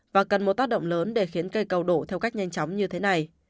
và cần một tác động lớn để khiến cây cầu đổ theo cách nhanh chóng như thế này